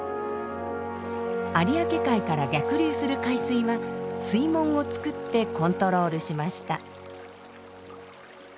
有明海から逆流する海水は水門を造ってコントロールしました。